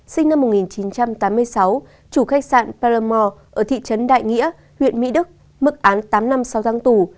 sinh năm một nghìn chín trăm tám mươi sáu chủ khách sạn parermore ở thị trấn đại nghĩa huyện mỹ đức mức án tám năm sau tháng tù